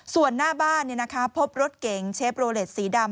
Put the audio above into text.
ส่วนหน้าบ้านเนี้ยนะคะพบรถเก๋งเชฟโรเลสสีดำ